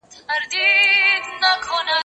زه به سبا د هنرونو تمرين وکړم!